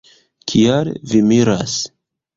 Kial vi miras?